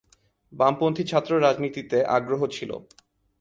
বামপন্থী ছাত্র রাজনীতিতে আগ্রহ ছিল।